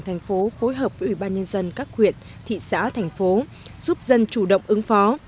thành phố phối hợp với ủy ban nhân dân các huyện thị xã thành phố giúp dân chủ động ứng phó